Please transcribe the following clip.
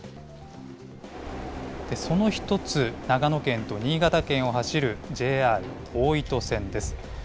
その１つ、長野県と新潟県を走るＪＲ大糸線です。